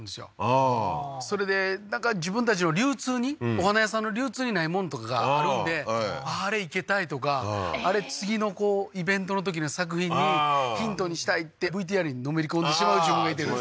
ああーそれで自分たちの流通にお花屋さんの流通にないもんとかがあるんであれ生けたいとかあれ次のイベントのときの作品にヒントにしたいってＶＴＲにのめり込んでしまう自分がいてるんです